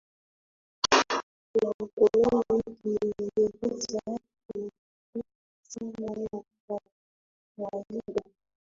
wa ukoloni Kiingereza kinatumika sana na kwa kawaida